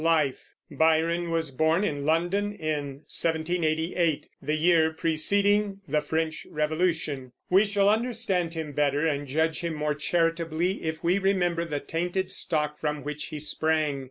LIFE. Byron was born in London in 1788, the year preceding the French Revolution. We shall understand him better, and judge him more charitably, if we remember the tainted stock from which he sprang.